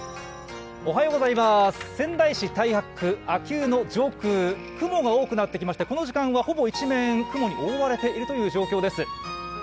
仙台市太白区秋保の上空、雲が多くなってきましてこの時間は一面雲に覆われているという状況です。